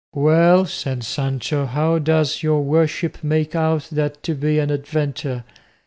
"Well," said Sancho, "how does your worship make out that to be an adventure?"